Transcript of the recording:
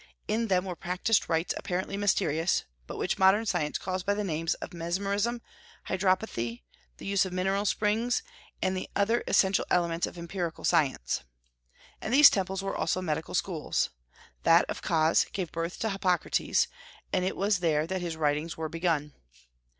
In them were practised rites apparently mysterious, but which modern science calls by the names of mesmerism, hydropathy, the use of mineral springs, and other essential elements of empirical science. And these temples were also medical schools. That of Cos gave birth to Hippocrates, and it was there that his writings were begun.